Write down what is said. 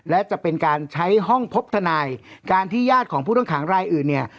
และจะเป็นการใช้ห้องพบทนายการที่ญาติของผู้ต้องขังรายอื่นเนี่ย